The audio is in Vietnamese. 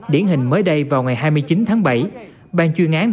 điển hình mới đây vào ngày hai mươi chín tháng bảy